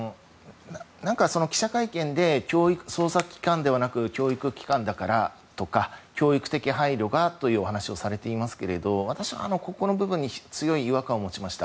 記者会見で捜査機関ではなく教育機関だからとか教育的配慮がというお話をされていますが私はここの部分に強い違和感を持ちました。